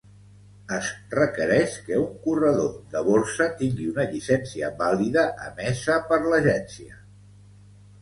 Es requereix que un corredor de borsa tingui una llicència vàlida emesa per l'Agència.